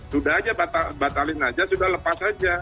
sudah aja batalin aja sudah lepas aja